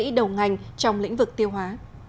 các bác sĩ đầu ngành trong lĩnh vực tiêu hóa